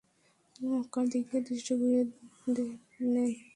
তিনি মক্কার দিক থেকে দৃষ্টি ঘুরিয়ে নেন।